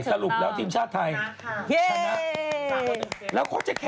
สรุปแล้วทีมชาติไทยชนะ